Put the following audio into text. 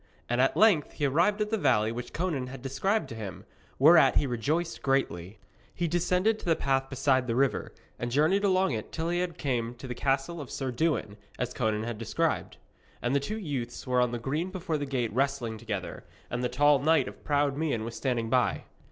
And at length he arrived at the valley which Conan had described to him, whereat he rejoiced greatly. He descended to the path beside the river, and journeyed along it till he came to the castle of Sir Dewin, as Conan had described. And the two youths were on the green before the gate wrestling together, and the tall knight of proud mien was standing by.